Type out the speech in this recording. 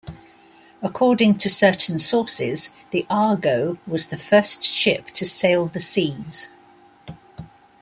According to certain sources, the "Argo" was the first ship to sail the seas.